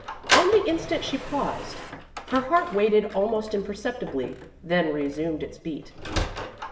On the instant she paused. Her heart waited almost imperceptibly, then resumed its beat.